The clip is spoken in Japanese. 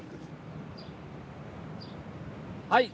はい。